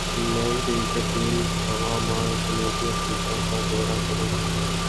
England کی cricket team رواں ماہ جنوبی افریقہ کا دورہ کرے گی